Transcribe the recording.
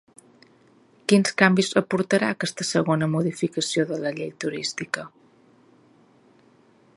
Quins canvis aportarà aquesta segona modificació de la llei turística?